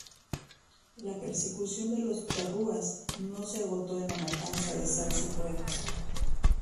La persecución de los charrúas no se agotó en la matanza de Salsipuedes.